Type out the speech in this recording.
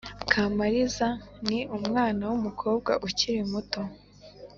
kamariza ni umwana w’umukobwa ukiri muto